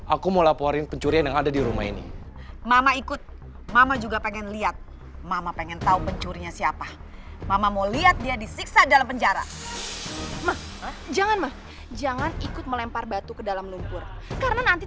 aku yakin sekarang ingatan aku udah mulai kembali